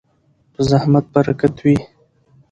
په زحمت برکت وي.